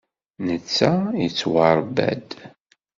Netta yettwaṛebba-d.